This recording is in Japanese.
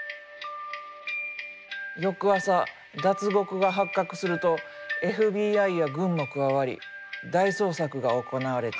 翌朝脱獄が発覚するとＦＢＩや軍も加わり大捜索が行われた。